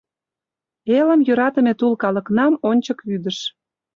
Элым йӧратыме тул калыкнам ончык вӱдыш.